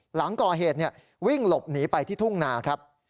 หลังก่อเหตุวิ่งหลบหนีไปที่ทุ่งนาครับ